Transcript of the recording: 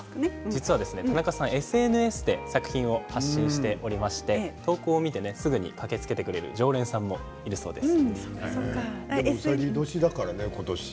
実は田中さんＳＮＳで作品を発信しておりまして投稿を見てすぐに駆けつけてくれる常連さんもいるそうです。